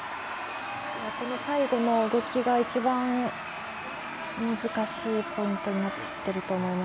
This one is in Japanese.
最後の動きが一番難しいポイントになってると思います。